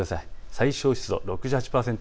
最小湿度６８％。